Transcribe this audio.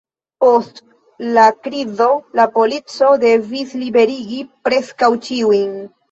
Post la krizo, la polico devis liberigi preskaŭ ĉiujn.